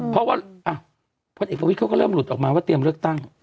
เพราะว่าก็เริ่มหลุดออกมาว่าเตรียมเลือกตั้ง